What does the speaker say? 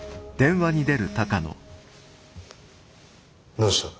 どうした。